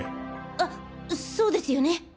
あそうですよね。